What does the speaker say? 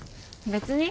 別に。